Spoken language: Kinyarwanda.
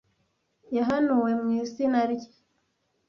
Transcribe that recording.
Yahanuwe mu izina rye